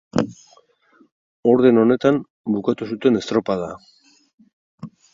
Orden honetan bukatu zuten estropada.